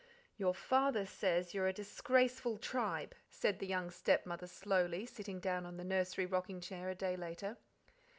"Your father says you're a disgraceful tribe," said the young stepmother slowly, sitting down on the nursery rocking chair a day later.